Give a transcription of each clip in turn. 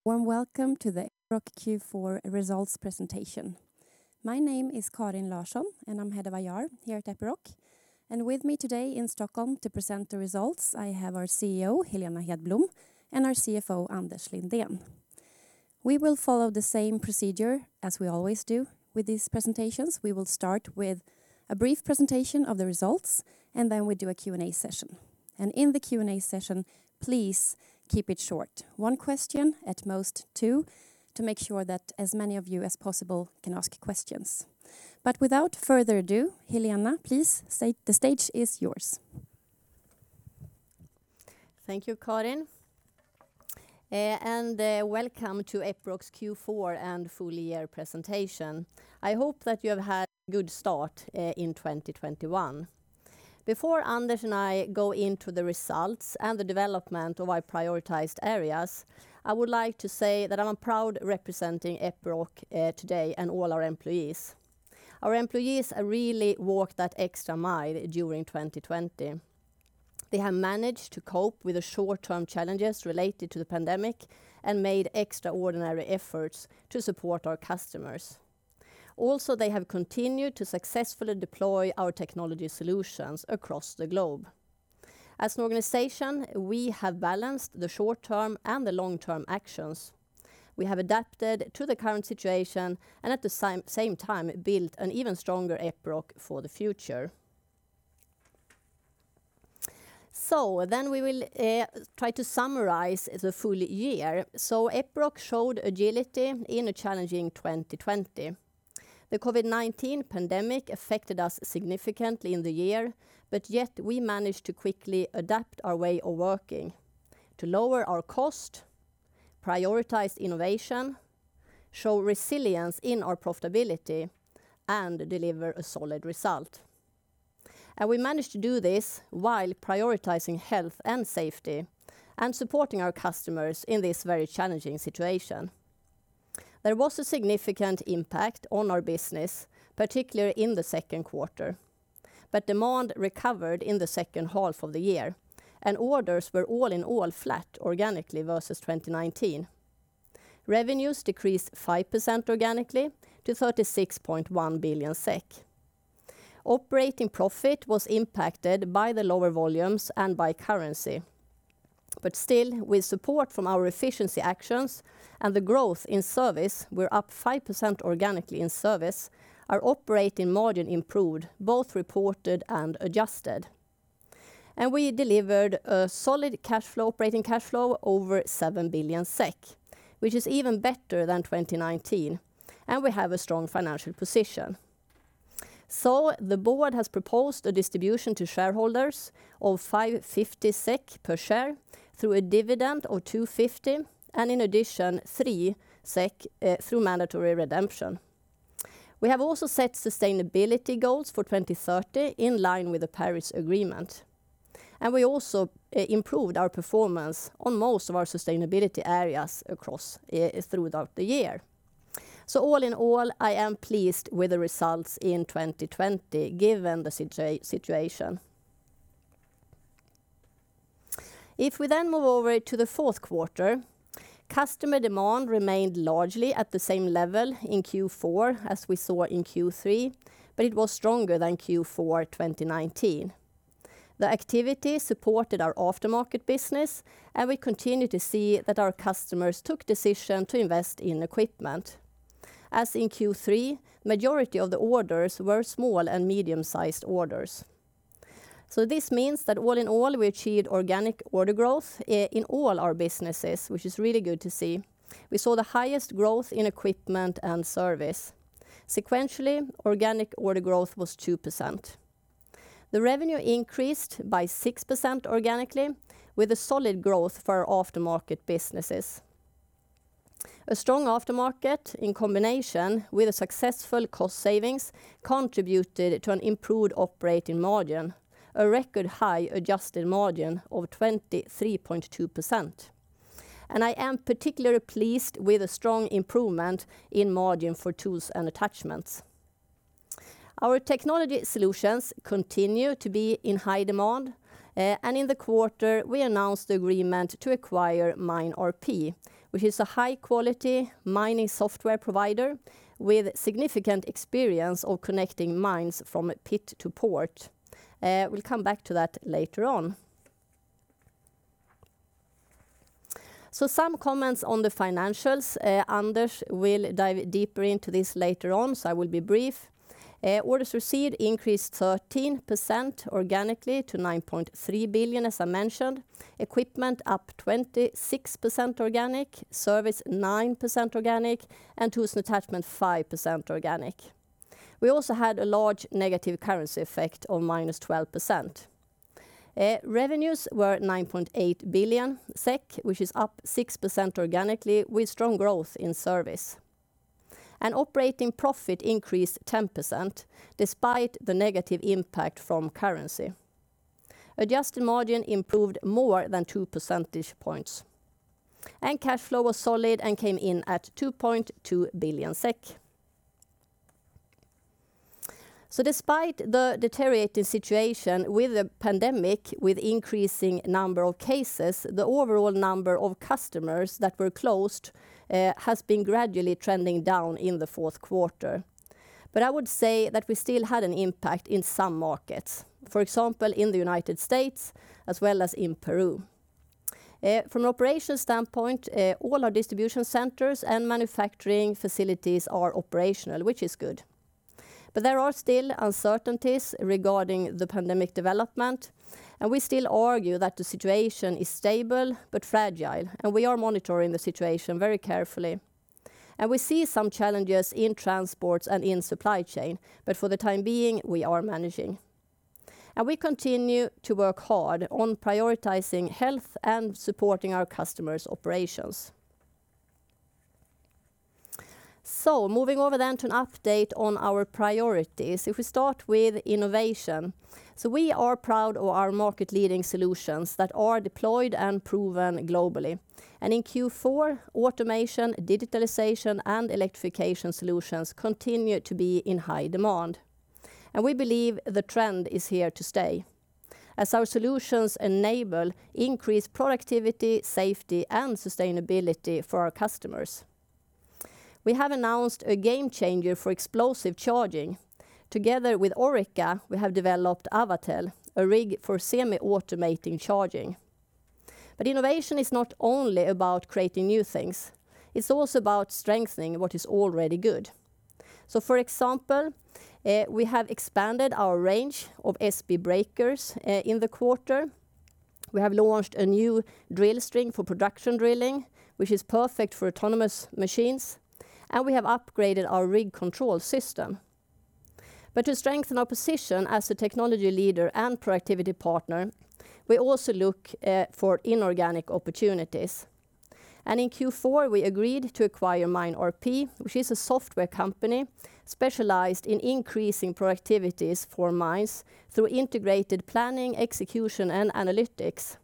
A warm welcome to the Epiroc Q4 results presentation. My name is Karin Larsson, and I'm Head of IR here at Epiroc, and with me today in Stockholm to present the results, I have our CEO, Helena Hedblom, and our CFO, Anders Lindén. We will follow the same procedure as we always do with these presentations. We will start with a brief presentation of the results, then we do a Q&A session. In the Q&A session, please keep it short, one question, at most two, to make sure that as many of you as possible can ask questions. Without further ado, Helena, please, the stage is yours. Thank you, Karin. Welcome to Epiroc's Q4 and full year presentation. I hope that you have had a good start in 2021. Before Anders and I go into the results and the development of our prioritized areas, I would like to say that I'm proud representing Epiroc today and all our employees. Our employees really walked that extra mile during 2020. They have managed to cope with the short-term challenges related to the pandemic and made extraordinary efforts to support our customers. Also, they have continued to successfully deploy our technology solutions across the globe. As an organization, we have balanced the short-term and the long-term actions. We have adapted to the current situation, and at the same time, built an even stronger Epiroc for the future. We will try to summarize the full year. Epiroc showed agility in a challenging 2020. The COVID-19 pandemic affected us significantly in the year, but yet we managed to quickly adapt our way of working to lower our cost, prioritize innovation, show resilience in our profitability, and deliver a solid result. We managed to do this while prioritizing health and safety and supporting our customers in this very challenging situation. There was a significant impact on our business, particularly in the second quarter, but demand recovered in the second half of the year, and orders were all in all flat organically versus 2019. Revenues decreased 5% organically to 36.1 billion SEK. Operating profit was impacted by the lower volumes and by currency, but still, with support from our efficiency actions and the growth in service, we are up 5% organically in service, our operating margin improved, both reported and adjusted. We delivered a solid cash flow, operating cash flow over 7 billion SEK, which is even better than 2019, and we have a strong financial position. The board has proposed a distribution to shareholders of 5.50 SEK per share through a dividend of 2.50, and in addition, 3 SEK through mandatory redemption. We have also set sustainability goals for 2030 in line with the Paris Agreement, and we also improved our performance on most of our sustainability areas throughout the year. All in all, I am pleased with the results in 2020, given the situation. If we then move over to the fourth quarter, customer demand remained largely at the same level in Q4 as we saw in Q3, but it was stronger than Q4 2019. The activity supported our aftermarket business, and we continue to see that our customers took decision to invest in equipment. As in Q3, majority of the orders were small and medium-sized orders. This means that all in all, we achieved organic order growth in all our businesses, which is really good to see. We saw the highest growth in equipment and service. Sequentially, organic order growth was 2%. The revenue increased by 6% organically with a solid growth for our aftermarket businesses. A strong aftermarket in combination with a successful cost savings contributed to an improved operating margin, a record high adjusted margin of 23.2%. I am particularly pleased with the strong improvement in margin for tools and attachments. Our technology solutions continue to be in high demand. In the quarter, we announced the agreement to acquire MineRP, which is a high-quality mining software provider with significant experience of connecting mines from pit to port. We'll come back to that later on. Some comments on the financials. Anders will dive deeper into this later on, so I will be brief. Orders received increased 13% organically to 9.3 billion, as I mentioned. Equipment up 26% organic, service 9% organic, and tools and attachment 5% organic. We also had a large negative currency effect of -12%. Revenues were at 9.8 billion SEK, which is up 6% organically with strong growth in service. Operating profit increased 10% despite the negative impact from currency. Adjusted margin improved more than two percentage points. Cash flow was solid and came in at 2.2 billion SEK. Despite the deteriorating situation with the pandemic, with increasing number of cases, the overall number of customers that were closed has been gradually trending down in the fourth quarter. I would say that we still had an impact in some markets, for example, in the United States as well as in Peru. From an operations standpoint, all our distribution centers and manufacturing facilities are operational, which is good. There are still uncertainties regarding the pandemic development, and we still argue that the situation is stable but fragile, and we are monitoring the situation very carefully. We see some challenges in transports and in supply chain, but for the time being, we are managing. We continue to work hard on prioritizing health and supporting our customers' operations. Moving over to an update on our priorities, if we start with innovation. We are proud of our market-leading solutions that are deployed and proven globally. In Q4, automation, digitalization, and electrification solutions continue to be in high demand. We believe the trend is here to stay as our solutions enable increased productivity, safety, and sustainability for our customers. We have announced a game changer for explosive charging. Together with Orica, we have developed Avatel, a rig for semi-automating charging. Innovation is not only about creating new things, it's also about strengthening what is already good. For example, we have expanded our range of SB breakers in the quarter. We have launched a new drill string for production drilling, which is perfect for autonomous machines, and we have upgraded our rig control system. To strengthen our position as a technology leader and productivity partner, we also look for inorganic opportunities. In Q4, we agreed to acquire MineRP, which is a software company specialized in increasing productivities for mines through integrated planning, execution, and analytics.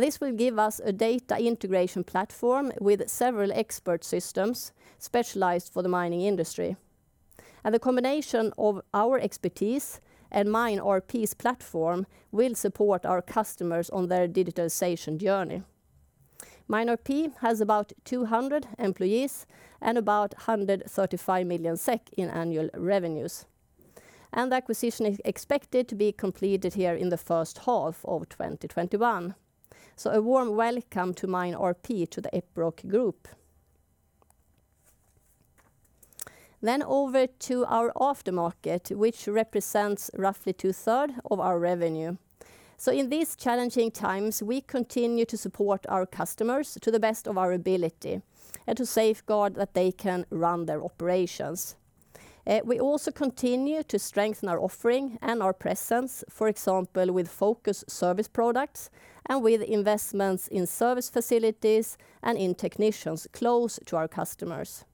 This will give us a data integration platform with several expert systems specialized for the mining industry. The combination of our expertise and MineRP's platform will support our customers on their digitalization journey. MineRP has about 200 employees and about 135 million SEK in annual revenues. The acquisition is expected to be completed here in the first half of 2021. A warm welcome to MineRP to the Epiroc Group. Over to our aftermarket, which represents roughly two-third of our revenue. In these challenging times, we continue to support our customers to the best of our ability and to safeguard that they can run their operations. We also continue to strengthen our offering and our presence, for example, with focus service products and with investments in service facilities and in technicians close to our customers.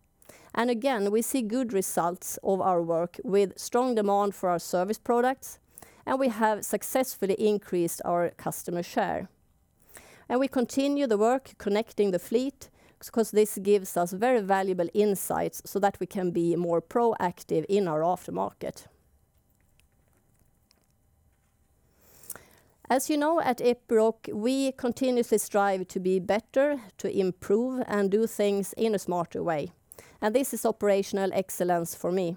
Again, we see good results of our work with strong demand for our service products, and we have successfully increased our customer share. We continue the work connecting the fleet because this gives us very valuable insights so that we can be more proactive in our aftermarket. As you know, at Epiroc, we continuously strive to be better, to improve, and do things in a smarter way. This is operational excellence for me.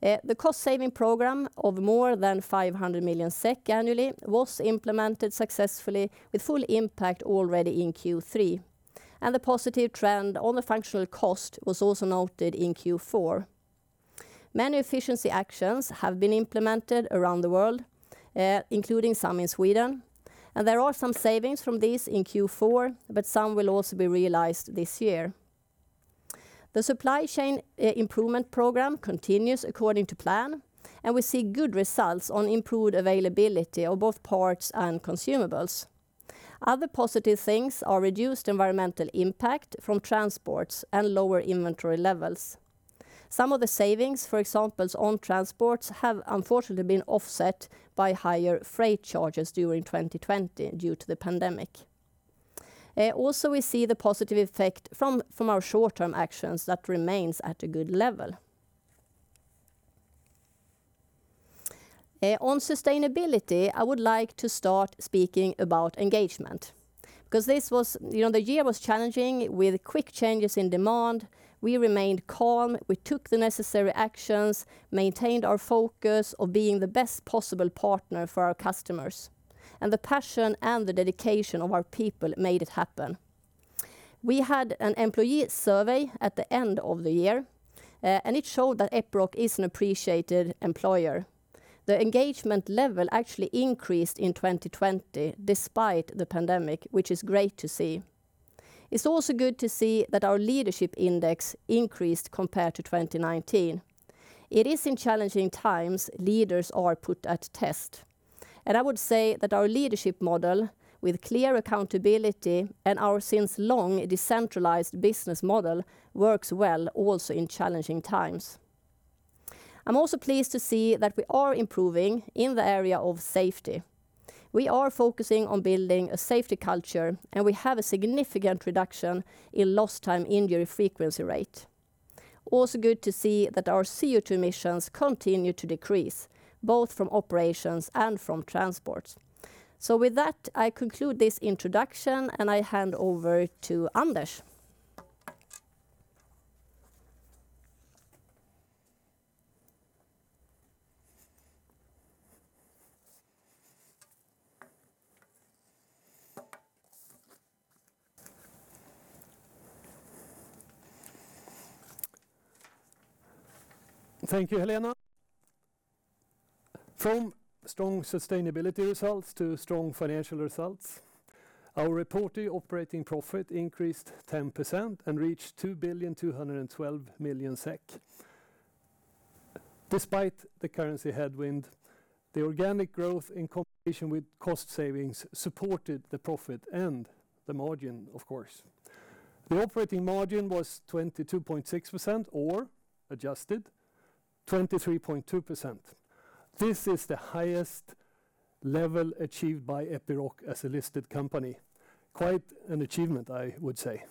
The cost-saving program of more than 500 million SEK annually was implemented successfully with full impact already in Q3. The positive trend on the functional cost was also noted in Q4. Many efficiency actions have been implemented around the world, including some in Sweden. There are some savings from this in Q4, but some will also be realized this year. The supply chain improvement program continues according to plan, and we see good results on improved availability of both parts and consumables. Other positive things are reduced environmental impact from transports and lower inventory levels. Some of the savings, for example on transports, have unfortunately been offset by higher freight charges during 2020 due to the pandemic. We see the positive effect from our short-term actions that remains at a good level. On sustainability, I would like to start speaking about engagement because the year was challenging with quick changes in demand. We remained calm. We took the necessary actions, maintained our focus of being the best possible partner for our customers, and the passion and the dedication of our people made it happen. We had an employee survey at the end of the year, and it showed that Epiroc is an appreciated employer. The engagement level actually increased in 2020 despite the pandemic, which is great to see. It's also good to see that our leadership index increased compared to 2019. It is in challenging times leaders are put at test. I would say that our leadership model with clear accountability and our since long decentralized business model works well also in challenging times. I'm also pleased to see that we are improving in the area of safety. We are focusing on building a safety culture, and we have a significant reduction in lost time injury frequency rate. Good to see that our CO2 emissions continue to decrease, both from operations and from transports. With that, I conclude this introduction, and I hand over to Anders. Thank you, Helena. From strong sustainability results to strong financial results, our reported operating profit increased 10% and reached 2,212 million SEK. Despite the currency headwind, the organic growth in combination with cost savings supported the profit and the margin, of course. The operating margin was 22.6%, or adjusted 23.2%. This is the highest level achieved by Epiroc as a listed company. Quite an achievement, I would say.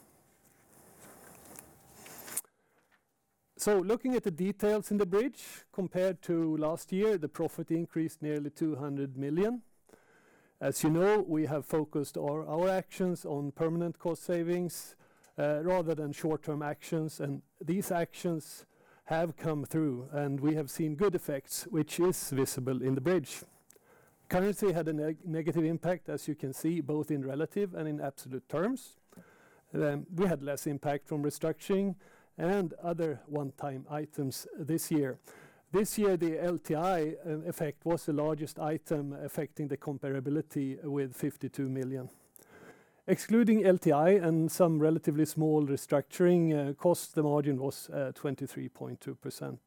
Looking at the details in the bridge compared to last year, the profit increased nearly 200 million. As you know, we have focused our actions on permanent cost savings rather than short-term actions, and these actions have come through, and we have seen good effects, which is visible in the bridge. Currency had a negative impact, as you can see, both in relative and in absolute terms. We had less impact from restructuring and other one-time items this year. This year, the LTI effect was the largest item affecting the comparability with 52 million. Excluding LTI and some relatively small restructuring costs, the margin was 23.2%.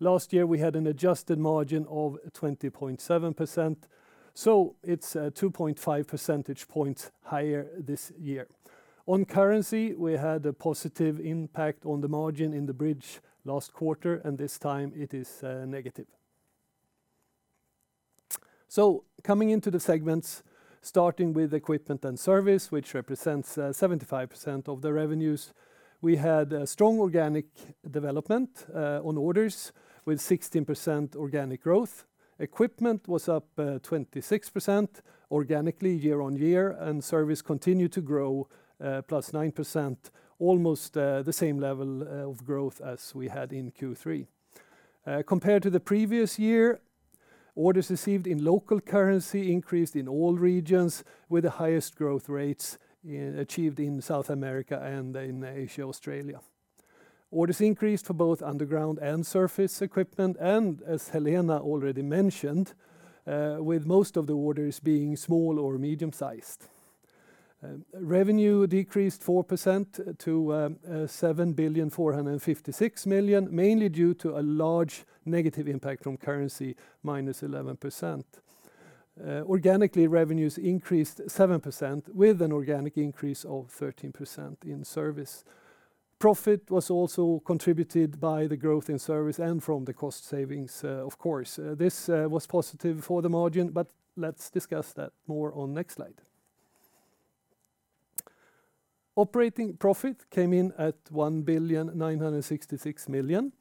Last year, we had an adjusted margin of 20.7%, it's 2.5 percentage points higher this year. On currency, we had a positive impact on the margin in the bridge last quarter, and this time it is negative. Coming into the segments, starting with equipment and service, which represents 75% of the revenues. We had a strong organic development on orders with 16% organic growth. Equipment was up 26% organically year-over-year, and service continued to grow plus 9%, almost the same level of growth as we had in Q3. Compared to the previous year, orders received in local currency increased in all regions with the highest growth rates achieved in South America and in Asia, Australia. Orders increased for both underground and surface equipment, as Helena already mentioned, with most of the orders being small or medium-sized. Revenue decreased 4% to 7,456 million, mainly due to a large negative impact from currency, -11%. Organically, revenues increased 7%, with an organic increase of 13% in service. Profit was also contributed by the growth in service and from the cost savings, of course. This was positive for the margin, let's discuss that more on next slide. Operating profit came in at 1,966 million,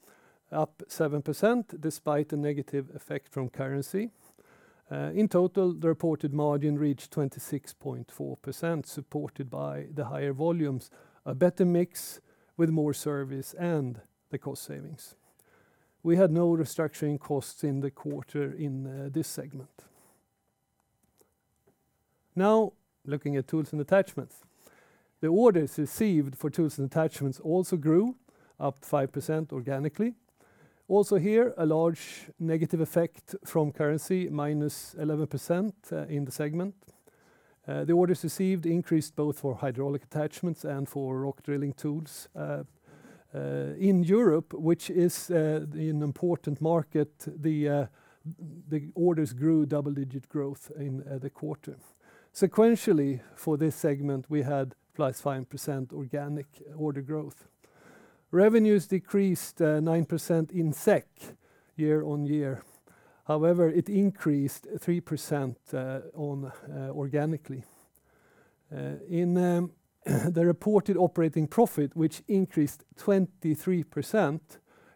up 7%, despite a negative effect from currency. In total, the reported margin reached 26.4%, supported by the higher volumes, a better mix with more service, and the cost savings. We had no restructuring costs in the quarter in this segment. Now looking at tools and attachments. The orders received for tools and attachments also grew up 5% organically. Here, a large negative effect from currency, -11% in the segment. The orders received increased both for hydraulic attachments and for rock drilling tools. In Europe, which is an important market, the orders grew double-digit growth in the quarter. Sequentially for this segment, we had +5% organic order growth. Revenues decreased 9% in SEK year-over-year. It increased 3% organically. In the reported operating profit, which increased 23%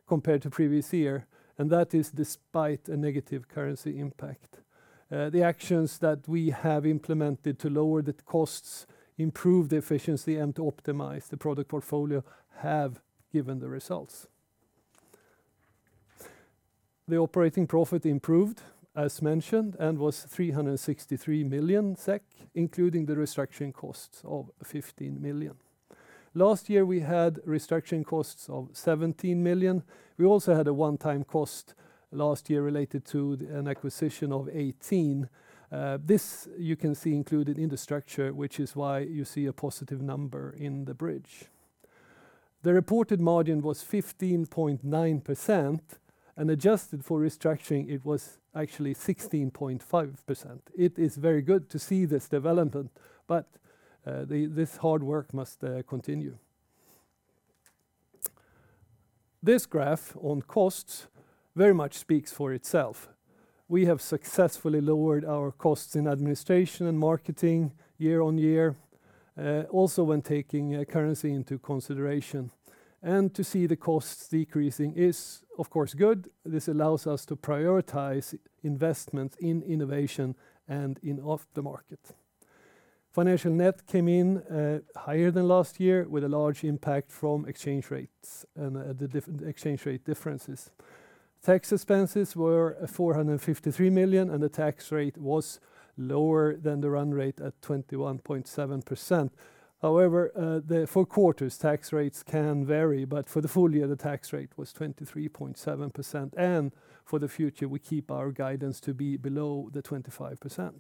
compared to previous year, and that is despite a negative currency impact. The actions that we have implemented to lower the costs, improve the efficiency, and to optimize the product portfolio have given the results. The operating profit improved, as mentioned, and was 363 million SEK, including the restructuring costs of 15 million. Last year, we had restructuring costs of 17 million. We also had a one-time cost last year related to an acquisition of 18 million. This you can see included in the structure, which is why you see a positive number in the bridge. The reported margin was 15.9%, and adjusted for restructuring, it was actually 16.5%. It is very good to see this development, this hard work must continue. This graph on costs very much speaks for itself. We have successfully lowered our costs in administration and marketing year on year, also when taking currency into consideration. To see the costs decreasing is, of course, good. This allows us to prioritize investment in innovation and in aftermarket. Financial net came in higher than last year with a large impact from exchange rates and the exchange rate differences. Tax expenses were 453 million, the tax rate was lower than the run rate at 21.7%. For quarters, tax rates can vary, but for the full year, the tax rate was 23.7%, and for the future, we keep our guidance to be below the 25%.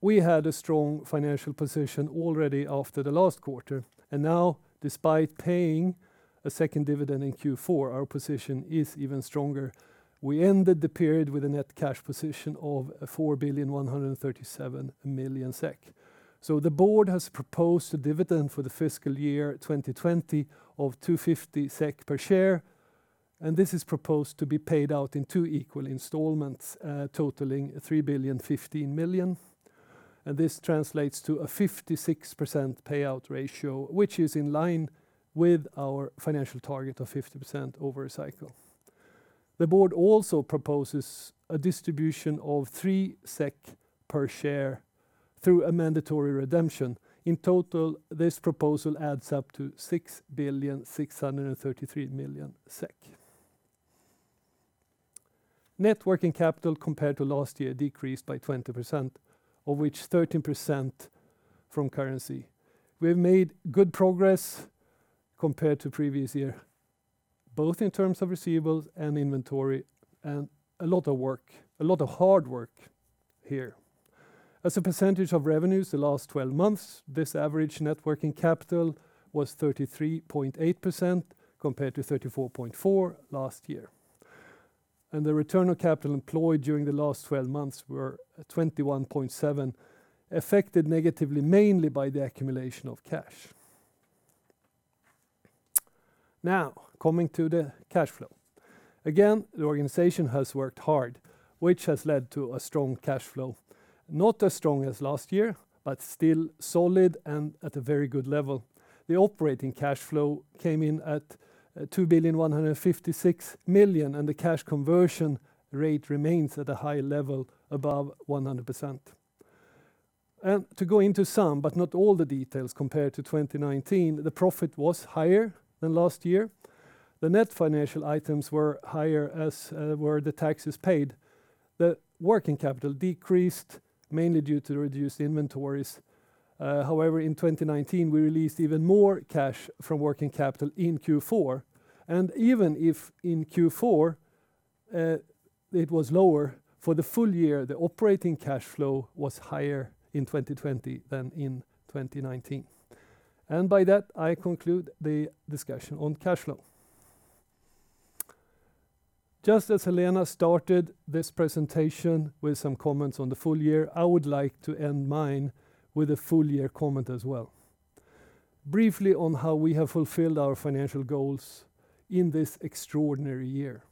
We had a strong financial position already after the last quarter, now despite paying a second dividend in Q4, our position is even stronger. We ended the period with a net cash position of 4,137 million SEK. The board has proposed a dividend for the fiscal year 2020 of 2.50 SEK per share, this is proposed to be paid out in two equal installments totaling 3,015 million. This translates to a 56% payout ratio, which is in line with our financial target of 50% over a cycle. The board also proposes a distribution of 3 SEK per share through a mandatory redemption. In total, this proposal adds up to 6,633 million SEK. Net working capital compared to last year decreased by 20%, of which 13% from currency. We've made good progress compared to previous year, both in terms of receivables and inventory, and a lot of hard work here. As a percentage of revenues the last 12 months, this average net working capital was 33.8% compared to 34.4% last year. The return on capital employed during the last 12 months were 21.7%, affected negatively mainly by the accumulation of cash. Now, coming to the cash flow. Again, the organization has worked hard, which has led to a strong cash flow, not as strong as last year, but still solid and at a very good level. The operating cash flow came in at 2,156 million, and the cash conversion rate remains at a high level above 100%. To go into some, but not all the details compared to 2019, the profit was higher than last year. The net financial items were higher, as were the taxes paid. The working capital decreased mainly due to reduced inventories. However, in 2019, we released even more cash from working capital in Q4, and even if in Q4 it was lower for the full year, the operating cash flow was higher in 2020 than in 2019. By that, I conclude the discussion on cash flow. Just as Helena started this presentation with some comments on the full year, I would like to end mine with a full year comment as well. Briefly on how we have fulfilled our financial goals in this extraordinary year.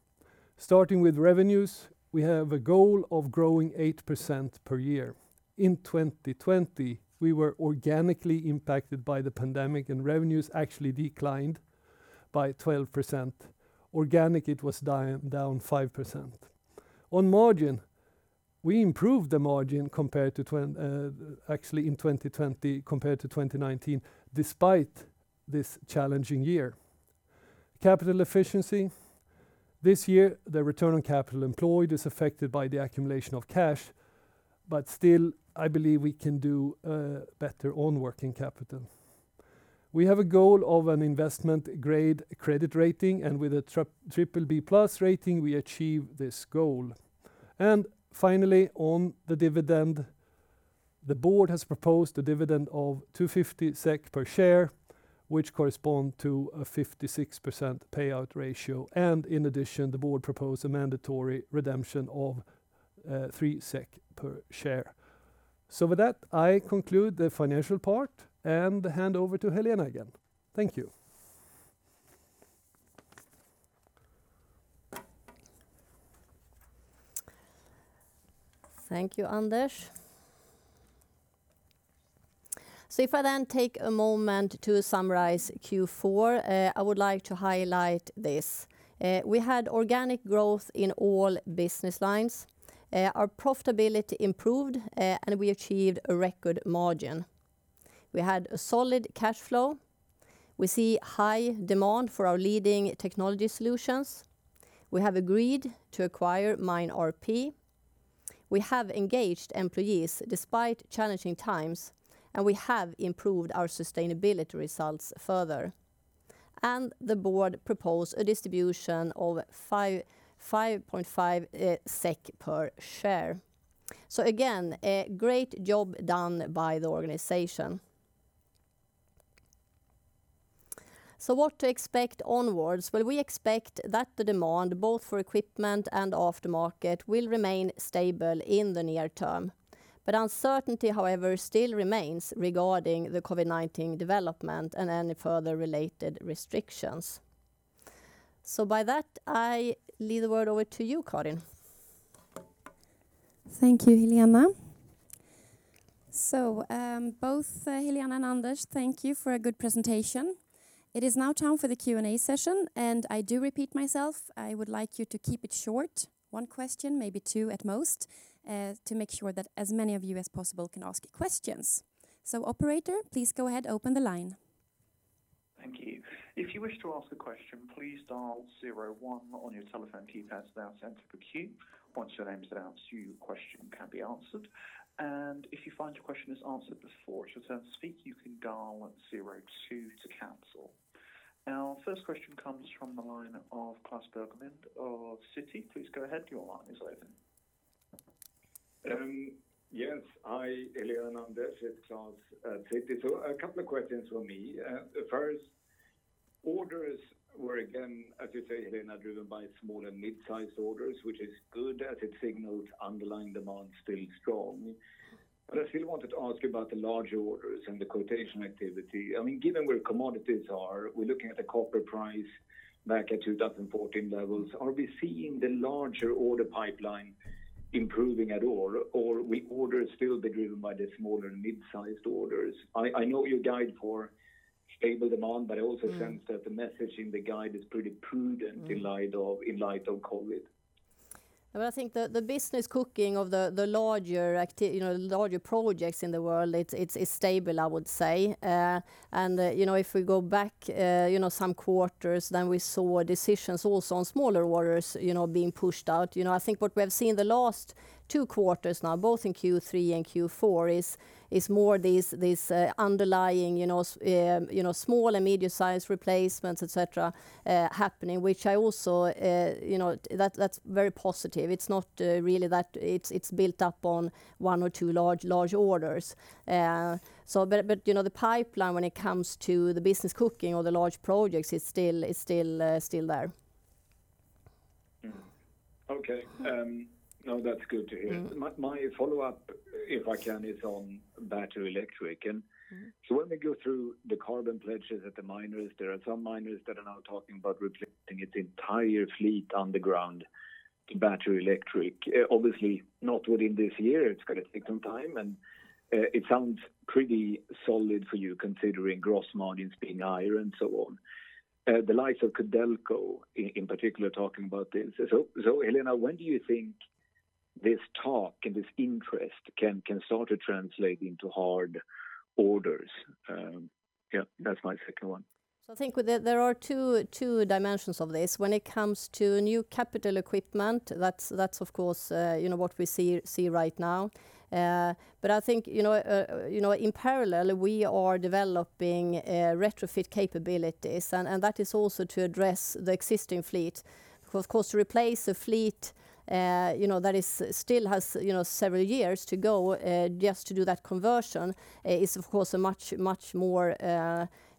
Starting with revenues, we have a goal of growing 8% per year. In 2020, we were organically impacted by the pandemic. Revenues actually declined by 12%. Organic, it was down 5%. On margin, we improved the margin actually in 2020 compared to 2019, despite this challenging year. Capital efficiency. This year, the return on capital employed is affected by the accumulation of cash. Still, I believe we can do better on working capital. We have a goal of an investment-grade credit rating. With a BBB+ rating, we achieve this goal. Finally, on the dividend, the board has proposed a dividend of 2.50 SEK per share, which correspond to a 56% payout ratio. In addition, the board proposed a mandatory redemption of 3 SEK per share. With that, I conclude the financial part and hand over to Helena again. Thank you. Thank you, Anders. If I then take a moment to summarize Q4, I would like to highlight this. We had organic growth in all business lines. Our profitability improved, and we achieved a record margin. We had a solid cash flow. We see high demand for our leading technology solutions. We have agreed to acquire MineRP. We have engaged employees despite challenging times, and we have improved our sustainability results further. The board proposed a distribution of 5.5 SEK per share. Again, a great job done by the organization. What to expect onwards? We expect that the demand, both for equipment and aftermarket, will remain stable in the near term. Uncertainty, however, still remains regarding the COVID-19 development and any further related restrictions. By that, I leave the word over to you, Karin. Thank you, Helena. Both Helena and Anders, thank you for a good presentation. It is now time for the Q&A session, I do repeat myself, I would like you to keep it short, one question, maybe two at most, to make sure that as many of you as possible can ask questions. Operator, please go ahead, open the line. Thank you. If you wish to ask a question, please dial zero one on your telephone keypad to be out of the queue. Once your name is announced, your question can be answered. And if youfind your question is answered before it's your turn to speak you can dial zero two to cancel. Our first question comes from the line of Klas Bergelind of Citi. Please go ahead, your line is open. Yes. Hi, Helena, Anders. It's Klas at Citi. A couple of questions from me. The first, orders were, again, as you say, Helena, driven by small and mid-sized orders, which is good as it signals underlying demand is still strong. I still wanted to ask you about the larger orders and the quotation activity. Given where commodities are, we're looking at the copper price back at 2014 levels. Are we seeing the larger order pipeline improving at all, or will orders still be driven by the smaller and mid-sized orders? I know you guide for stable demand, I also sense that the message in the guide is pretty prudent in light of COVID-19. I think the business-cooking of the larger projects in the world, it's stable, I would say. If we go back some quarters, then we saw decisions also on smaller orders being pushed out. I think what we have seen the last two quarters now, both in Q3 and Q4, is more these underlying small and medium-sized replacements, et cetera, happening, which that's very positive. It's not really that it's built up on one or two large orders. The pipeline, when it comes to the business-cooking or the large projects, is still there. Okay. No, that's good to hear. My follow-up, if I can, is on battery electric. When we go through the carbon pledges at the miners, there are some miners that are now talking about replacing its entire fleet underground to battery electric. Obviously not within this year, it's going to take some time, and it sounds pretty solid for you considering gross margins being higher and so on. The likes of Codelco in particular talking about this. Helena, when do you think this talk and this interest can start to translate into hard orders? Yeah, that's my second one. I think there are two dimensions of this. When it comes to new capital equipment, that's of course what we see right now. I think in parallel, we are developing retrofit capabilities, and that is also to address the existing fleet. Of course, to replace a fleet that still has several years to go, just to do that conversion is of course much more.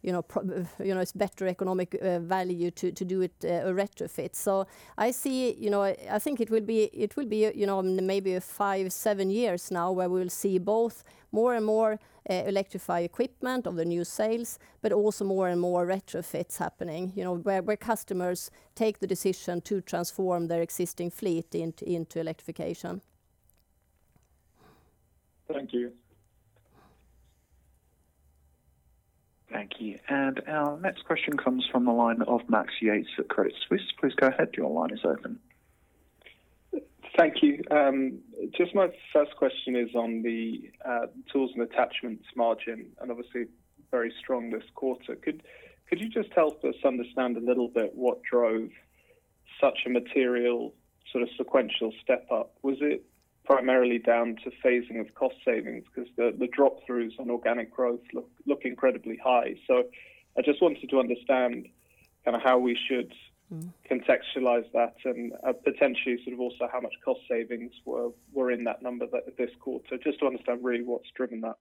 It's better economic value to do a retrofit. I think it will be maybe five, seven years now where we'll see both more and more electrified equipment of the new sales, but also more and more retrofits happening, where customers take the decision to transform their existing fleet into electrification. Thank you. Thank you. Our next question comes from the line of Max Yates at Credit Suisse. Please go ahead, your line is open. Thank you. Just my first question is on the tools and attachments margin, obviously very strong this quarter. Could you just help us understand a little bit what drove such a material sequential step-up? Was it primarily down to phasing of cost savings, because the drop-throughs on organic growth look incredibly high? I just wanted to understand how we should contextualize that and potentially also how much cost savings were in that number this quarter, just to understand really what's driven that.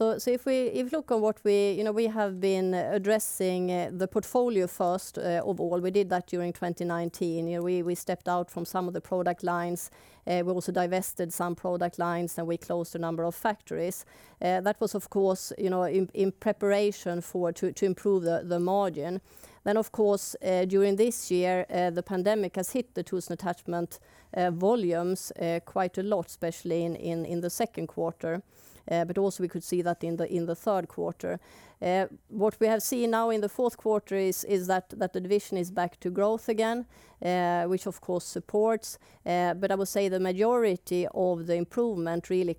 If you look at what we have been addressing the portfolio first, overall, we did that during 2019. We stepped out from some of the product lines. We also divested some product lines, and we closed a number of factories. That was, of course, in preparation to improve the margin. Of course, during this year, the pandemic has hit the tools and attachment volumes quite a lot, especially in the second quarter. Also we could see that in the third quarter. What we have seen now in the fourth quarter is that the division is back to growth again, which of course supports. I would say the majority of the improvement really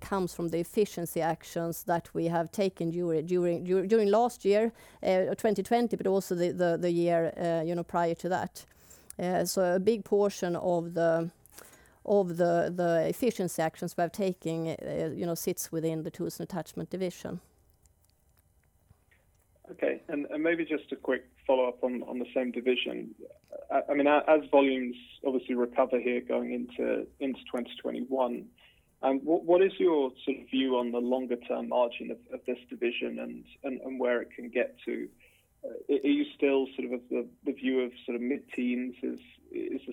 comes from the efficiency actions that we have taken during last year, 2020, but also the year prior to that. A big portion of the efficiency actions we're taking sits within the tools and attachment division. Maybe just a quick follow-up on the same division. As volumes obviously recover here going into 2021, what is your view on the longer-term margin of this division and where it can get to? Are you still of the view of mid-teens is a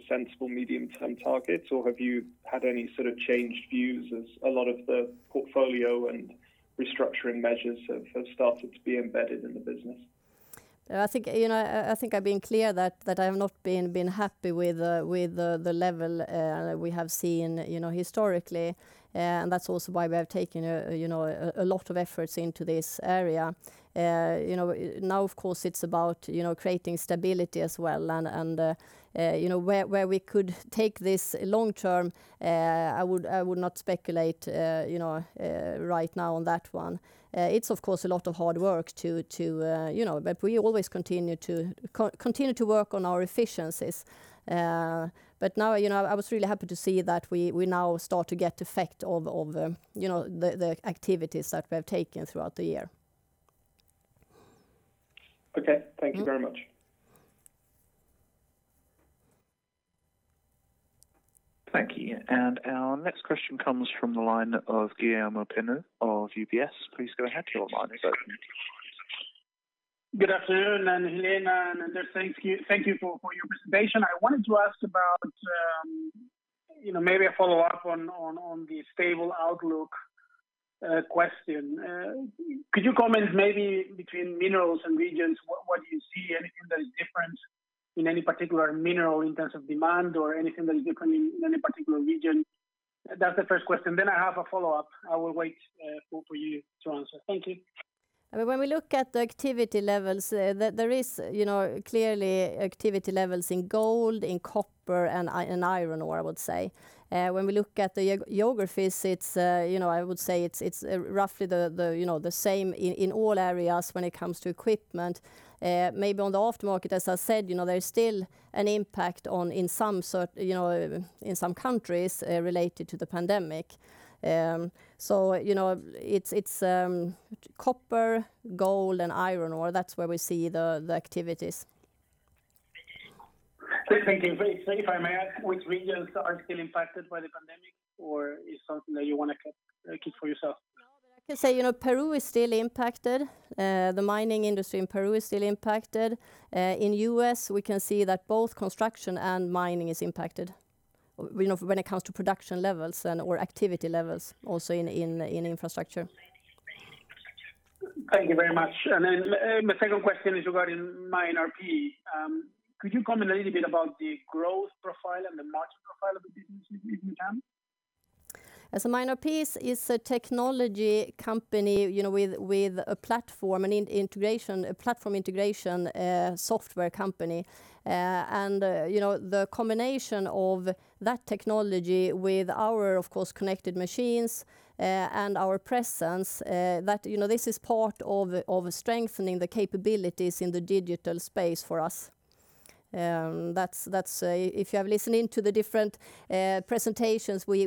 sensible medium-term target, or have you had any changed views as a lot of the portfolio and restructuring measures have started to be embedded in the business? I think I've been clear that I have not been happy with the level we have seen historically, and that's also why we have taken a lot of efforts into this area. Of course, it's about creating stability as well and where we could take this long term, I would not speculate right now on that one. It's, of course, a lot of hard work, but we always continue to work on our efficiencies. Now, I was really happy to see that we now start to get effect of the activities that we have taken throughout the year. Okay. Thank you very much. Thank you. Our next question comes from the line of Guillermo Pena of UBS. Please go ahead. Your line is open. Good afternoon, Helena and Anders. Thank you for your presentation. I wanted to ask about maybe a follow-up on the stable outlook question. Could you comment maybe between minerals and regions, what do you see? Anything that is different in any particular mineral in terms of demand or anything that is different in any particular region? That's the first question. I have a follow-up. I will wait for you to answer. Thank you. When we look at the activity levels, there is clearly activity levels in gold, in copper, and iron ore, I would say. When we look at the geographies, I would say it's roughly the same in all areas when it comes to equipment. Maybe on the aftermarket, as I said, there is still an impact in some countries related to the pandemic. It's copper, gold, and iron ore. That's where we see the activities. Okay, thank you. If I may ask, which regions are still impacted by the pandemic or is something that you want to keep for yourself? I can say Peru is still impacted. The mining industry in Peru is still impacted. In U.S., we can see that both construction and mining is impacted when it comes to production levels and/or activity levels also in infrastructure. Thank you very much. My second question is regarding MineRP. Could you comment a little bit about the growth profile and the margin profile of the business, if you can? MineRP is a technology company with a platform integration software company. The combination of that technology with our, of course, connected machines, and our presence, this is part of strengthening the capabilities in the digital space for us. If you have listened in to the different presentations we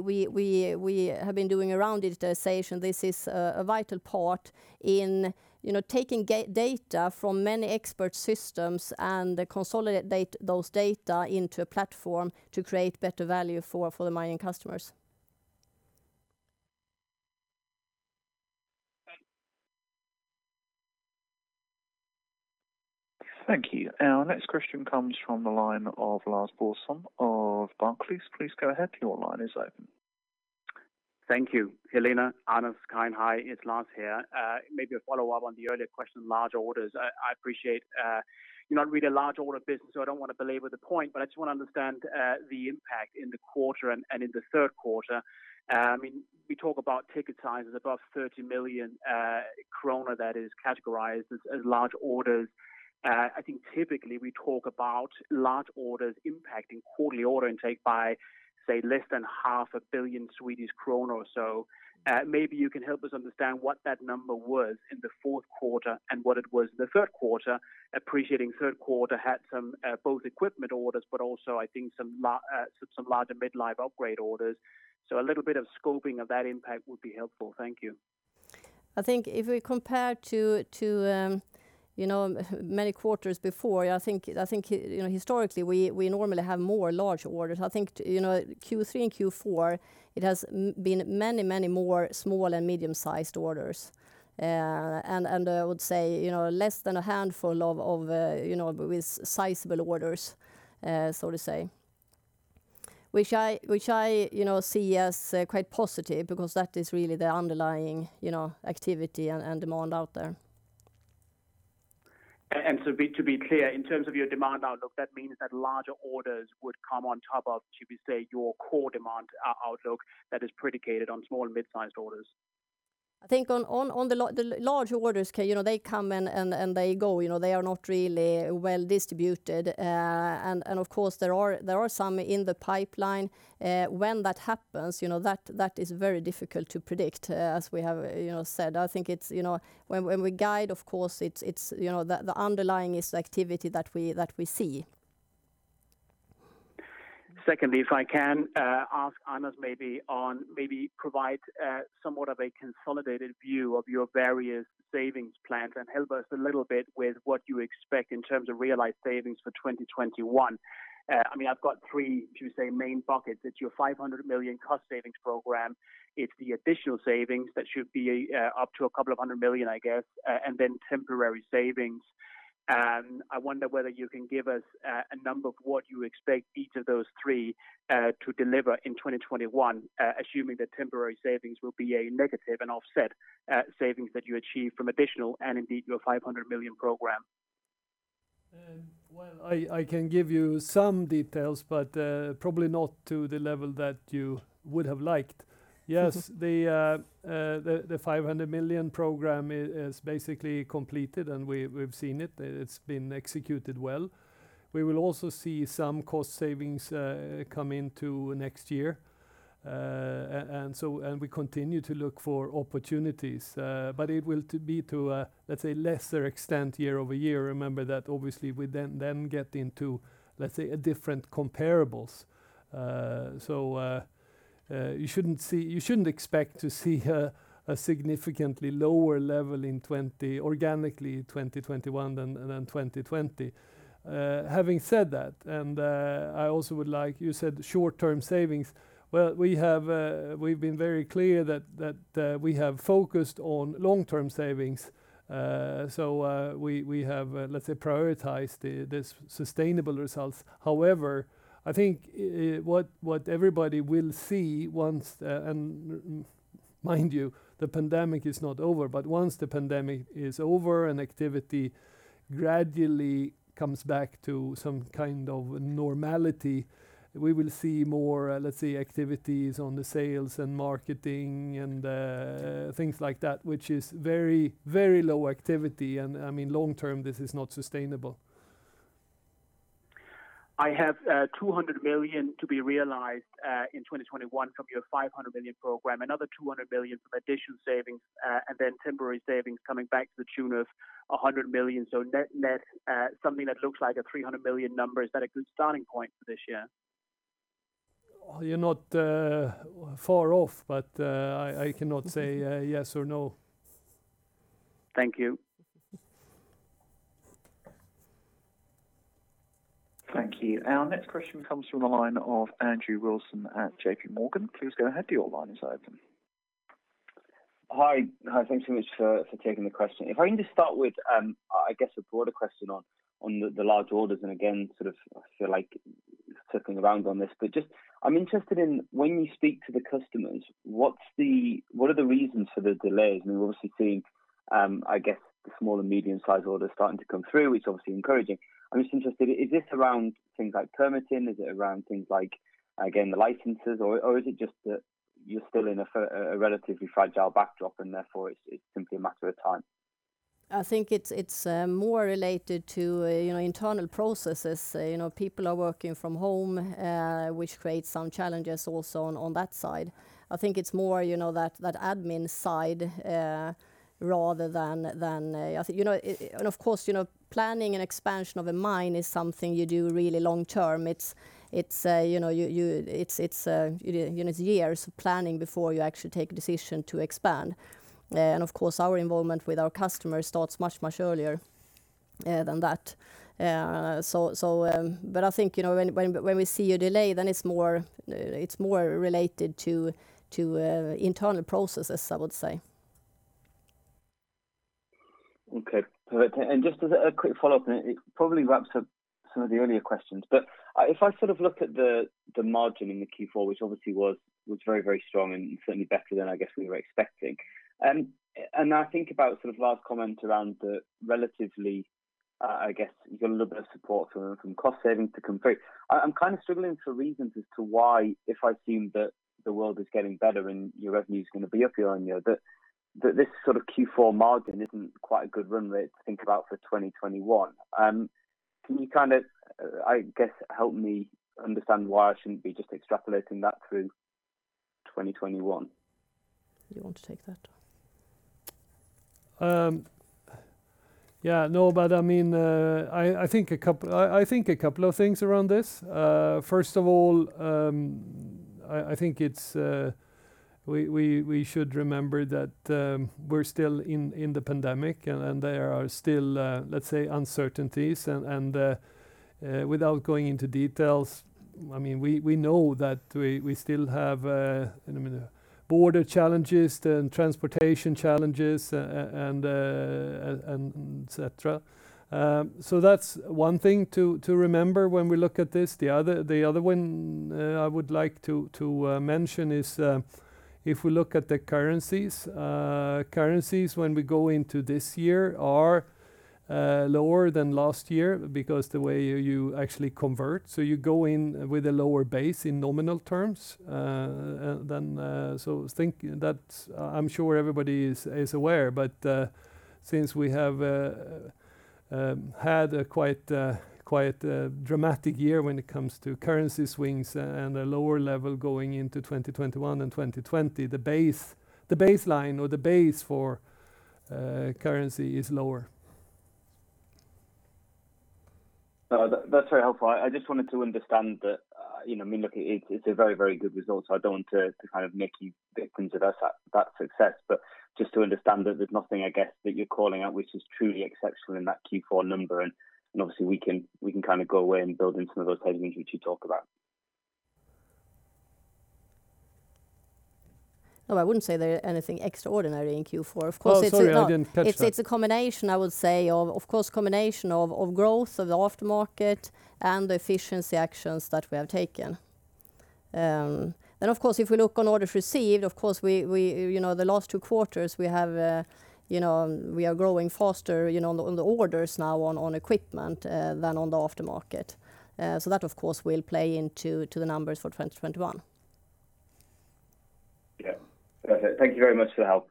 have been doing around digitization, this is a vital part in taking data from many expert systems and consolidate those data into a platform to create better value for the mining customers. Thank you. Thank you. Our next question comes from the line of Lars Brorson of Barclays. Please go ahead. Thank you. Helena, Anders, hi. It's Lars here. Maybe a follow-up on the earlier question, large orders. I appreciate you're not really a large order business, so I don't want to belabor the point, but I just want to understand the impact in the quarter and in the third quarter. We talk about ticket sizes above 30 million krona that is categorized as large orders. I think typically we talk about large orders impacting quarterly order intake by, say, less than half a billion SEK or so. Maybe you can help us understand what that number was in the fourth quarter and what it was in the third quarter, appreciating third quarter had some both equipment orders, but also I think some larger midlife upgrade orders. A little bit of scoping of that impact would be helpful. Thank you. I think if we compare to many quarters before, I think historically we normally have more large orders. I think Q3 and Q4, it has been many more small and medium-sized orders. I would say less than a handful with sizable orders, so to say, which I see as quite positive because that is really the underlying activity and demand out there. To be clear, in terms of your demand outlook, that means that larger orders would come on top of, should we say, your core demand outlook that is predicated on small and mid-sized orders? I think on the large orders, they come and they go. They are not really well distributed. Of course, there are some in the pipeline. When that happens, that is very difficult to predict, as we have said. When we guide, of course, it is the underlying activity that we see. Secondly, if I can ask Anders maybe provide somewhat of a consolidated view of your various savings plans and help us a little bit with what you expect in terms of realized savings for 2021. I've got three, should we say, main buckets. It's your 500 million cost savings program. It's the additional savings that should be up to a couple of hundred million, I guess, and then temporary savings. I wonder whether you can give us a number of what you expect each of those three to deliver in 2021, assuming that temporary savings will be a negative and offset savings that you achieve from additional, and indeed your 500 million program. Well, I can give you some details, but probably not to the level that you would have liked. Yes, the 500 million program is basically completed, and we've seen it. It's been executed well. We will also see some cost savings come into next year. We continue to look for opportunities, but it will be to a, let's say, lesser extent year-over-year. Remember that obviously we then get into, let's say, different comparables. You shouldn't expect to see a significantly lower level organically in 2021 than 2020. Having said that, You said short-term savings. Well, we've been very clear that we have focused on long-term savings. We have, let's say, prioritized the sustainable results. I think what everybody will see once, and mind you, the pandemic is not over, but once the pandemic is over and activity gradually comes back to some kind of normality, we will see more, let's say, activities on the sales and marketing and things like that, which is very low activity, and long term, this is not sustainable. I have 200 million to be realized in 2021 from your 500 million program, another 200 million from additional savings, temporary savings coming back to the tune of 100 million. Net net, something that looks like a 300 million number. Is that a good starting point for this year? You're not far off, but I cannot say yes or no. Thank you. Thank you. Our next question comes from the line of Andrew Wilson at JPMorgan. Please go ahead. Your line is open. Hi. Thanks so much for taking the question. If I can just start with, I guess a broader question on the large orders, and again, I feel like circling around on this, but just I'm interested in when you speak to the customers, what are the reasons for the delays? We're obviously seeing, I guess the small and medium-size orders starting to come through, which is obviously encouraging. I'm just interested, is this around things like permitting? Is it around things like, again, the licenses, or is it just that you're still in a relatively fragile backdrop and therefore it's simply a matter of time? I think it's more related to internal processes. People are working from home, which creates some challenges also on that side. I think it's more that admin side rather than. Of course, planning an expansion of a mine is something you do really long term. It's years of planning before you actually take a decision to expand. Of course, our involvement with our customers starts much earlier than that. I think when we see a delay, it's more related to internal processes, I would say. Okay, perfect. Just as a quick follow-up, and it probably wraps up some of the earlier questions, but if I look at the margin in the Q4, which obviously was very strong and certainly better than, I guess, we were expecting, and I think about Lars' comment around the relatively, I guess you got a little bit of support from cost savings to come through. I'm kind of struggling for reasons as to why, if I assume that the world is getting better and your revenue's going to be up year-over-year, that this sort of Q4 margin isn't quite a good run rate to think about for 2021. Can you kind of, I guess, help me understand why I shouldn't be just extrapolating that through 2021? Do you want to take that? Yeah. I think a couple of things around this. First of all, I think we should remember that we're still in the pandemic, and there are still, let's say, uncertainties. Without going into details, we know that we still have border challenges and transportation challenges, et cetera. That's one thing to remember when we look at this. The other one I would like to mention is if we look at the currencies. Currencies, when we go into this year, are lower than last year because the way you actually convert. You go in with a lower base in nominal terms. I'm sure everybody is aware, but since we have had a quite dramatic year when it comes to currency swings and a lower level going into 2021 than 2020, the baseline or the base for currency is lower. That's very helpful. I just wanted to understand that. I mean, look, it's a very good result. I don't want to kind of make you think that that's success. Just to understand that there's nothing, I guess, that you're calling out, which is truly exceptional in that Q4 number. Obviously we can kind of go away and build in some of those headroom which you talk about. No, I wouldn't say they're anything extraordinary in Q4. Oh, sorry, I didn't catch that. It's a combination, I would say, of course, combination of growth of the aftermarket and the efficiency actions that we have taken. Of course, if we look on orders received, of course, the last two quarters, we are growing faster on the orders now on equipment, than on the aftermarket. That, of course, will play into the numbers for 2021. Yeah. Perfect. Thank you very much for the help.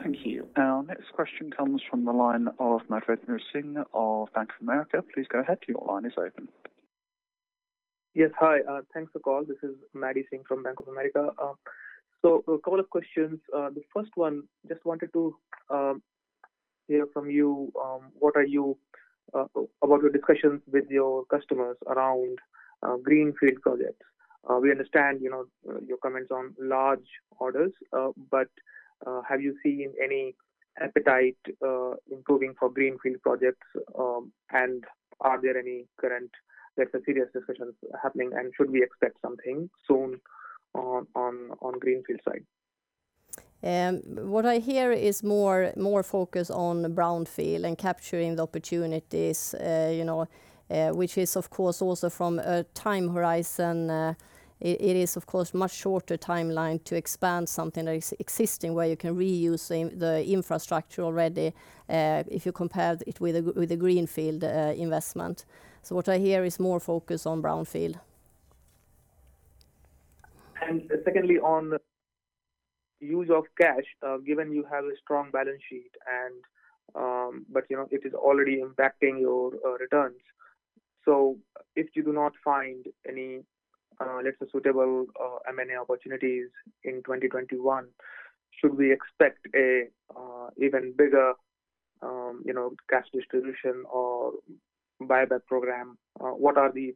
Thank you. Our next question comes from the line of Madhvendra Singh of Bank of America. Please go ahead. Your line is open. Yes. Hi. Thanks for call. This is Maddy Singh from Bank of America. A couple of questions. The first one, just wanted to hear from you, what are your discussions with your customers around greenfield projects? We understand your comments on large orders, but have you seen any appetite improving for greenfield projects, and are there any current serious discussions happening, and should we expect something soon on greenfield side? What I hear is more focus on brownfield and capturing the opportunities, which is, of course, also from a time horizon. It is, of course, much shorter timeline to expand something that is existing, where you can reuse the infrastructure already, if you compare it with a greenfield investment. What I hear is more focus on brownfield. Secondly, on use of cash, given you have a strong balance sheet, but it is already impacting your returns. If you do not find any, let's say, suitable M&A opportunities in 2021, should we expect a even bigger cash distribution or buyback program? What are the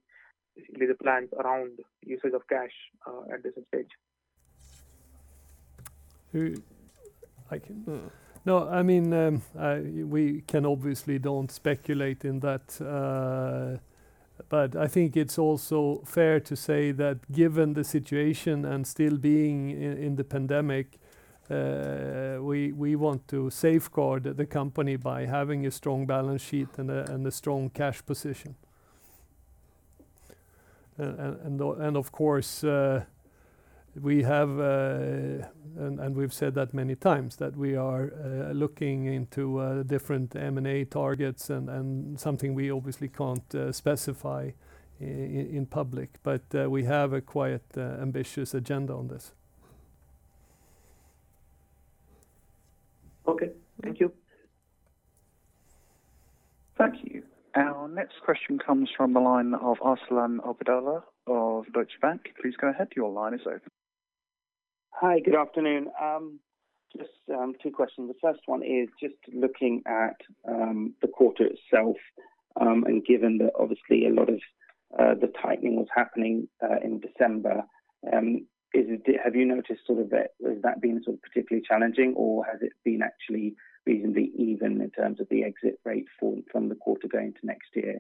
plans around usage of cash at this stage? No, we can obviously don't speculate in that. I think it's also fair to say that given the situation and still being in the pandemic, we want to safeguard the company by having a strong balance sheet and a strong cash position. Of course, we've said that many times that we are looking into different M&A targets and something we obviously can't specify in public. We have a quite ambitious agenda on this. Okay. Thank you. Thank you. Our next question comes from the line of Arsalan Obaidullah of Deutsche Bank. Please go ahead. Your line is open. Hi, good afternoon. Just two questions. The first one is just looking at the quarter itself, and given that obviously a lot of the tightening was happening in December, have you noticed has that been sort of particularly challenging, or has it been actually reasonably even in terms of the exit rate from the quarter going to next year?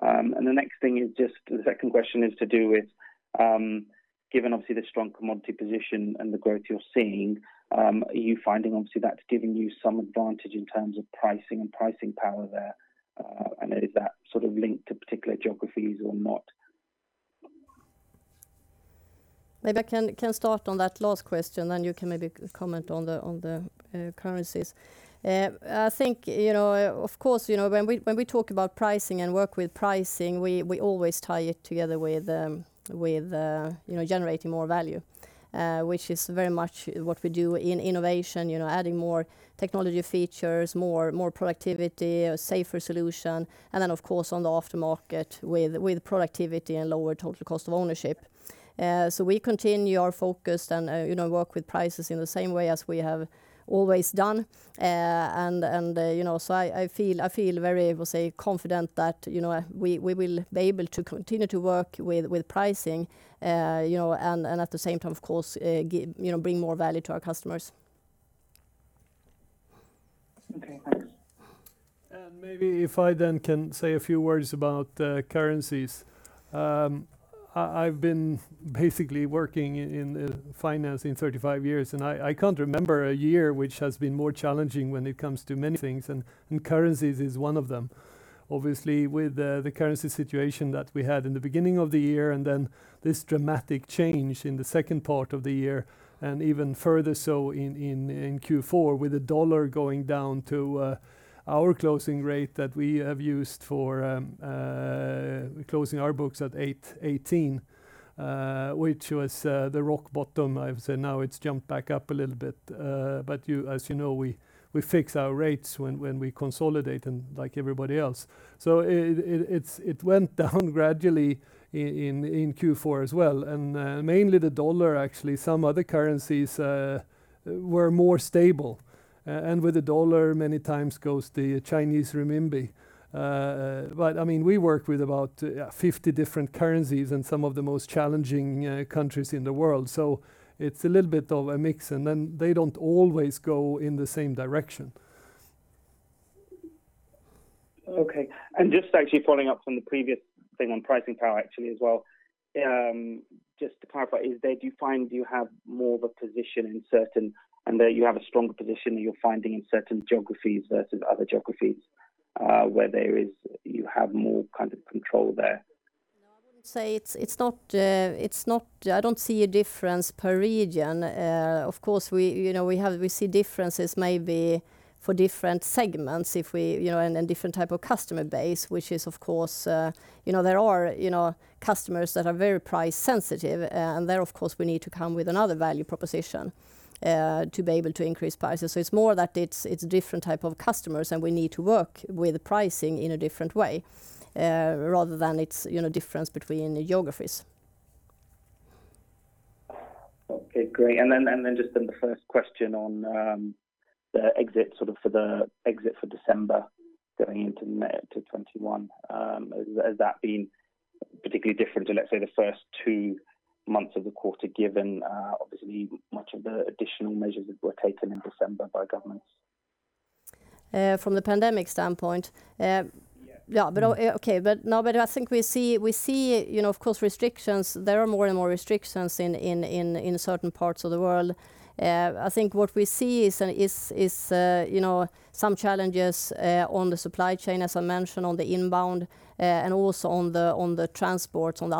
The next thing is just, the second question is to do with, given, obviously, the strong commodity position and the growth you're seeing, are you finding, obviously, that's giving you some advantage in terms of pricing and pricing power there? Is that sort of linked to particular geographies or not? Maybe I can start on that last question, then you can maybe comment on the currencies. I think, of course, when we talk about pricing and work with pricing, we always tie it together with generating more value, which is very much what we do in innovation, adding more technology features, more productivity, a safer solution. Of course, on the aftermarket with productivity and lower total cost of ownership. We continue our focus and work with prices in the same way as we have always done. I feel very, I would say, confident that we will be able to continue to work with pricing, and at the same time, of course, bring more value to our customers. Okay, thanks. Maybe if I can say a few words about currencies. I've been basically working in finance in 35 years, and I can't remember a year which has been more challenging when it comes to many things, and currencies is one of them. Obviously, with the currency situation that we had in the beginning of the year and this dramatic change in the second part of the year, and even further so in Q4, with the dollar going down to our closing rate that we have used for closing our books at 8.18, which was the rock bottom, I would say. Now it's jumped back up a little bit. As you know, we fix our rates when we consolidate, and like everybody else. It went down gradually in Q4 as well. Mainly the dollar, actually. Some other currencies were more stable. With the dollar, many times goes the Chinese renminbi. We work with about 50 different currencies in some of the most challenging countries in the world. It's a little bit of a mix. They don't always go in the same direction. Okay. Just actually following up from the previous thing on pricing power actually as well, just to clarify, do you find you have more of a position and that you have a stronger position you're finding in certain geographies versus other geographies, where you have more control there? No, I wouldn't say. I don't see a difference per region. Of course, we see differences maybe for different segments and different type of customer base. There are customers that are very price sensitive, and there, of course, we need to come with another value proposition to be able to increase prices. It's more that it's different type of customers, and we need to work with pricing in a different way, rather than it's difference between geographies. Okay, great. Just then the first question on the exit for December going into 2021, has that been particularly different to, let's say, the first two months of the quarter, given obviously much of the additional measures that were taken in December by governments? From the pandemic standpoint? Yeah. Okay. No, I think we see, of course, restrictions. There are more and more restrictions in certain parts of the world. I think what we see is some challenges on the supply chain, as I mentioned, on the inbound, and also on the transport on the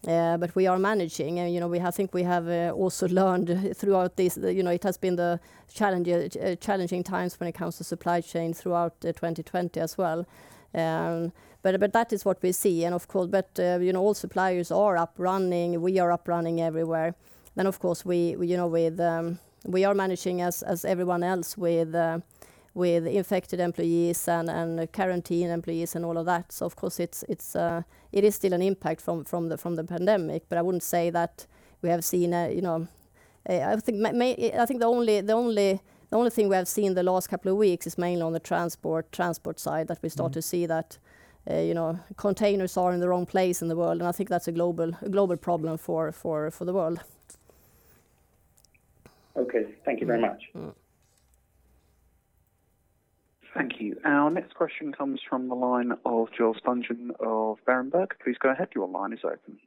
outbound side. We are managing, and I think we have also learned throughout this. It has been challenging times when it comes to supply chain throughout 2020 as well. That is what we see. All suppliers are up running. We are up running everywhere. Of course, we are managing as everyone else with infected employees and quarantined employees and all of that. Of course, it is still an impact from the pandemic, but I wouldn't say that we have seen I think the only thing we have seen the last couple of weeks is mainly on the transport side, that we start to see that containers are in the wrong place in the world, and I think that's a global problem for the world. Okay. Thank you very much. Thank you. Our next question comes from the line of Joel Spungin of Berenberg. Please go ahead. Your line is open.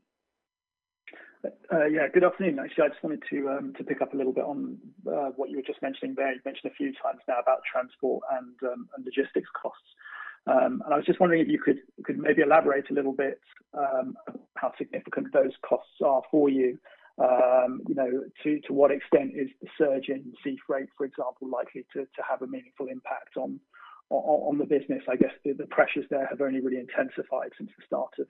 Good afternoon. Actually, I just wanted to pick up a little bit on what you were just mentioning there. You've mentioned a few times now about transport and logistics costs. I was just wondering if you could maybe elaborate a little bit how significant those costs are for you. To what extent is the surge in sea freight, for example, likely to have a meaningful impact on the business? I guess the pressures there have only really intensified since the start of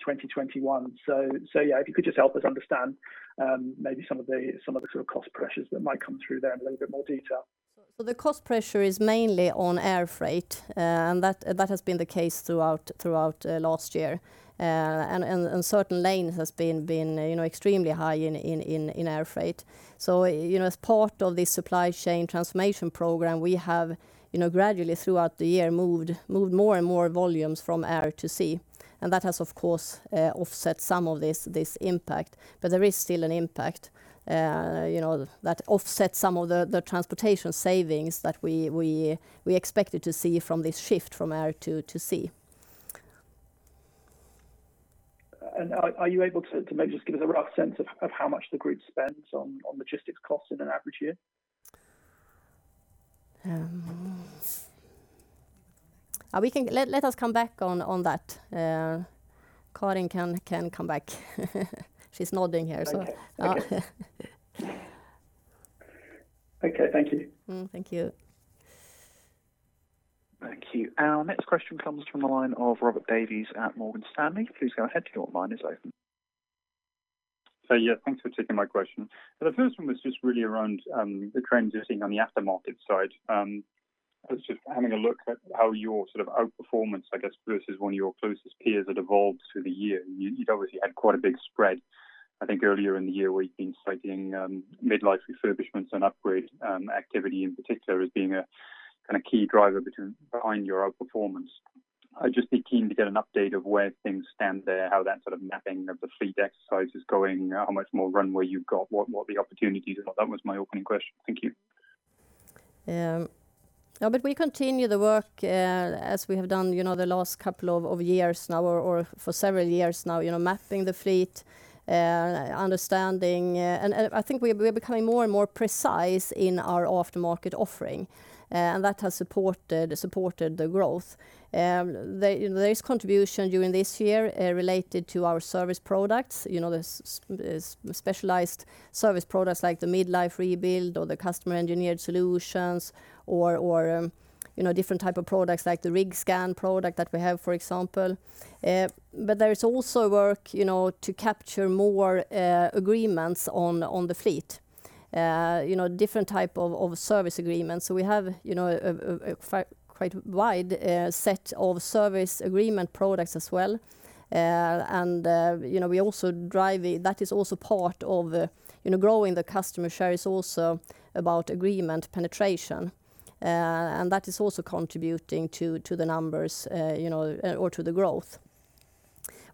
2021. Yeah, if you could just help us understand maybe some of the cost pressures that might come through there in a little bit more detail. The cost pressure is mainly on air freight, and that has been the case throughout last year. Certain lanes has been extremely high in air freight. As part of the Supply Chain Transformation Program, we have gradually, throughout the year, moved more and more volumes from air to sea, and that has, of course, offset some of this impact. There is still an impact that offset some of the transportation savings that we expected to see from this shift from air to sea. Are you able to maybe just give us a rough sense of how much the group spends on logistics costs in an average year? Let us come back on that. Karin can come back. She is nodding here. Okay. Thank you. Thank you. Thank you. Our next question comes from the line of Robert Davies at Morgan Stanley. Please go ahead. Your line is open. Yeah, thanks for taking my question. The first one was just really around the trends you're seeing on the aftermarket side. I was just having a look at how your outperformance, I guess, versus one of your closest peers had evolved through the year. You'd obviously had quite a big spread, I think earlier in the year where you've been citing midlife refurbishments and upgrade activity in particular as being a key driver behind your outperformance. I'd just be keen to get an update of where things stand there, how that mapping of the fleet exercise is going, how much more runway you've got, what the opportunities are. That was my opening question. Thank you. We continue the work, as we have done the last couple of years now, or for several years now, mapping the fleet, understanding, and I think we're becoming more and more precise in our aftermarket offering. That has supported the growth. There is contribution during this year related to our service products, the specialized service products like the midlife rebuild or the customer engineered solutions or different type of products like the RigScan product that we have, for example. There is also work to capture more agreements on the fleet, different type of service agreements. We have a quite wide set of service agreement products as well. That is also part of growing the customer share is also about agreement penetration, and that is also contributing to the numbers or to the growth.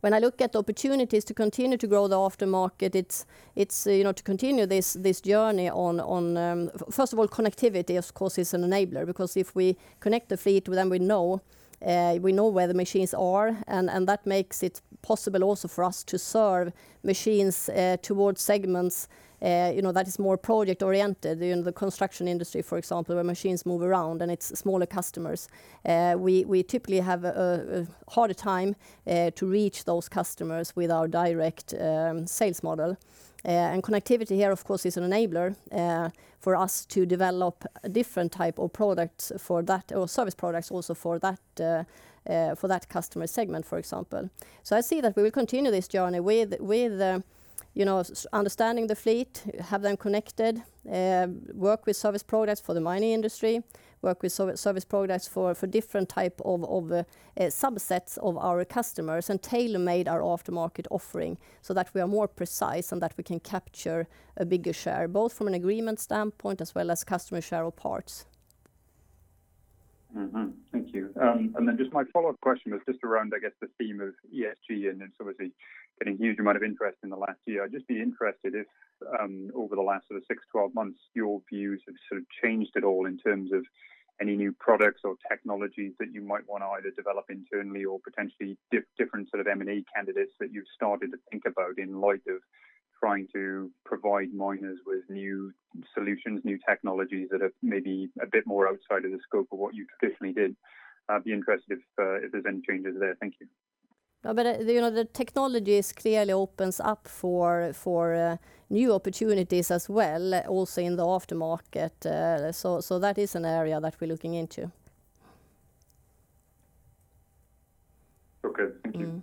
When I look at opportunities to continue to grow the aftermarket, it's to continue this journey on, first of all, connectivity, of course, is an enabler, because if we connect the fleet, then we know where the machines are, and that makes it possible also for us to serve machines towards segments that is more project-oriented. In the construction industry, for example, where machines move around and it's smaller customers, we typically have a harder time to reach those customers with our direct sales model. Connectivity here, of course, is an enabler for us to develop different type of products for that, or service products also for that customer segment, for example. I see that we will continue this journey with understanding the fleet, have them connected, work with service products for the mining industry, work with service products for different type of subsets of our customers, and tailor-made our aftermarket offering so that we are more precise and that we can capture a bigger share, both from an agreement standpoint as well as customer share of parts. Thank you. Then just my follow-up question was just around, I guess, the theme of ESG and it's obviously getting a huge amount of interest in the last year. I'd just be interested if over the last six, 12 months, your views have sort of changed at all in terms of any new products or technologies that you might want to either develop internally or potentially different sort of M&A candidates that you've started to think about in light of trying to provide miners with new solutions, new technologies that are maybe a bit more outside of the scope of what you traditionally did. I'd be interested if there's any changes there. Thank you. The technology clearly opens up for new opportunities as well, also in the aftermarket. That is an area that we're looking into. Okay. Thank you.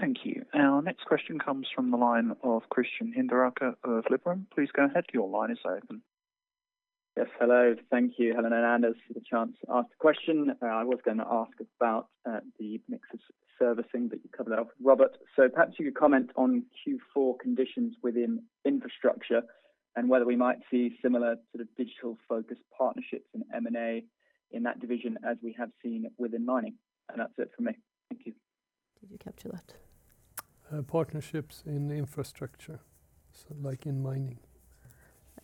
Thank you. Our next question comes from the line of Christian Hinderaker of Liberum. Please go ahead. Your line is open. Yes. Hello. Thank you, Helena and Anders, for the chance to ask the question. I was going to ask about the Nexus servicing, but you covered that off with Robert. Perhaps you could comment on Q4 conditions within infrastructure and whether we might see similar sort of digital-focused partnerships and M&A in that division as we have seen within mining. That's it from me. Thank you. Did you capture that? Partnerships in infrastructure, so like in mining.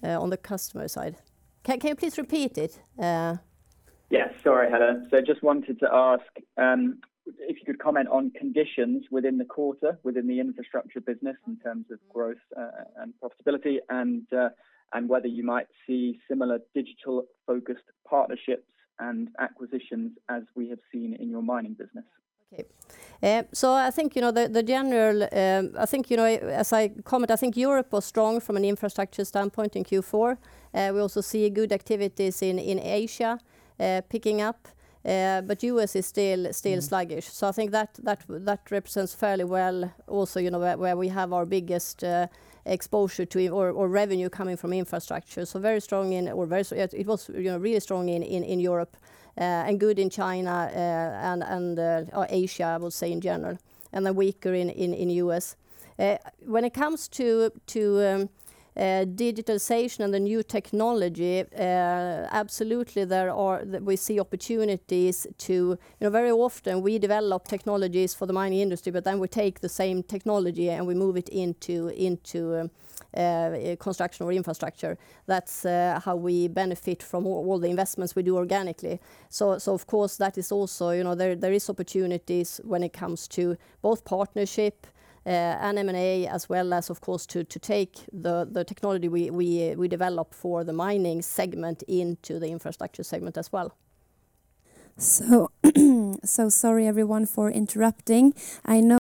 On the customer side. Can you please repeat it? Yes. Sorry, Helena. I just wanted to ask if you could comment on conditions within the quarter, within the infrastructure business in terms of growth and profitability, and whether you might see similar digital-focused partnerships and acquisitions as we have seen in your mining business. Okay. I think, as I comment, Europe was strong from an infrastructure standpoint in Q4. We also see good activities in Asia picking up. U.S. is still sluggish. I think that represents fairly well also where we have our biggest exposure to, or revenue coming from infrastructure. It was really strong in Europe and good in China and Asia, I would say, in general, and then weaker in U.S. When it comes to digitalization and the new technology, absolutely we see opportunities. Very often we develop technologies for the mining industry, but then we take the same technology and we move it into construction or infrastructure. That's how we benefit from all the investments we do organically. Of course, that is also, there is opportunities when it comes to both partnership and M&A, as well as, of course, to take the technology we develop for the mining segment into the infrastructure segment as well. Sorry, everyone, for interrupting.